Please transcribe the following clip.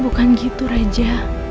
bukan gitu raja